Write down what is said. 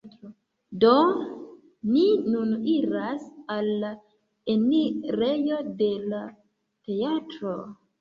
Do, ni nun iras al la enirejo de la teatro